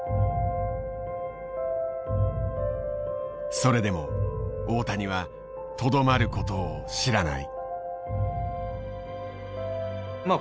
それでも大谷はとどまることを知らない。